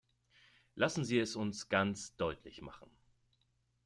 Lassen Sie es uns ganz deutlich machen.